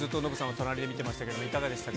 隣で見てましたけれども、いかがでしたか。